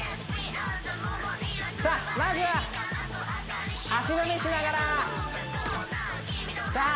さあまずは足踏みしながらさあ